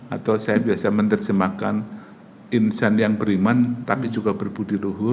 atau saya biasa menerjemahkan insan yang beriman tapi juga berbudi luhur